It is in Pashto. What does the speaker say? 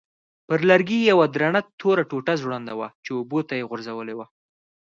پر لرګي یوه درنه توره ټوټه ځوړنده وه چې اوبو ته یې غورځولې وه.